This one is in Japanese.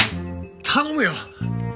頼むよ！